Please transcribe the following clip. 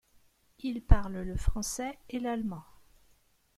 Il parle le français et l'allemand.